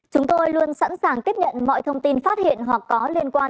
chúng tôi luôn sẵn sàng tiếp nhận mọi thông tin phát hiện hoặc có liên quan